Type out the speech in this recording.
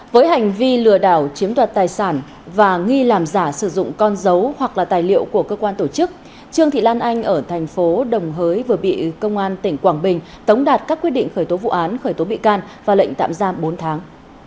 với hành vi lừa đảo chiếm đoạt tài sản và nghi làm giả sử dụng con dấu hoặc là tài liệu của cơ quan tổ chức trương thị lan anh ở thành phố đồng hới vừa bị công an tỉnh quảng bình tống đạt các quyết định khởi tố vụ án khởi tố bị can và lệnh tạm giam bốn tháng